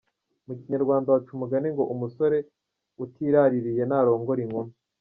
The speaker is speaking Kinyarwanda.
Mu kinyarwanda baca umugani ngo umusore utiraririye ntarongora inkumi.